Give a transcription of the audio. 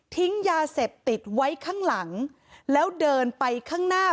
ยาเสพติดไว้ข้างหลังแล้วเดินไปข้างหน้า